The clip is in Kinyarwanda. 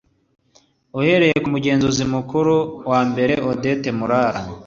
Uhereye ku Mugenzuzi Mukuru wa Mbere, Odette Murara